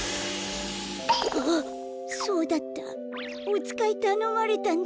ああそうだったおつかいたのまれたんだ。